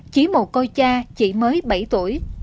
chí mồ côi cha chỉ mới bảy tuổi